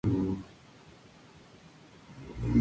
Se encuentra en Sudán y el Chad.